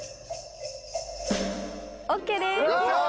ＯＫです！